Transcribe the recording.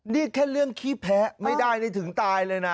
นี่แค่เรื่องขี้แพ้ไม่ได้นี่ถึงตายเลยนะ